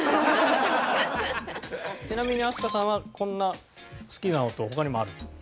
ちなみに飛鳥さんはこんな好きな音他にもある。